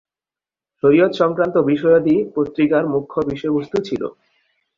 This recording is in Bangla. শরিয়ত সংক্রান্ত বিষয়াদি পত্রিকার মুখ্য বিষয়বস্তু ছিল।